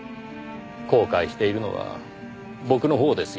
後悔しているのは僕のほうですよ。